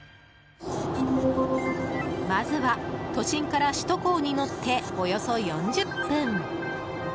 まずは、都心から首都高に乗っておよそ４０分。